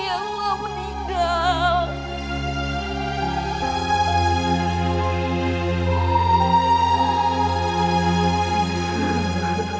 aku mau tidur